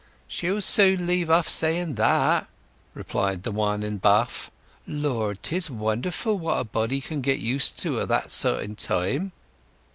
"She'll soon leave off saying that," replied the one in buff. "Lord, 'tis wonderful what a body can get used to o' that sort in time!"